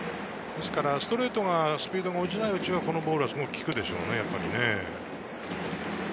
ストレートのスピードが落ちないうちはこのボールが効くでしょうね。